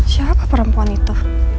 siapa perempuan itu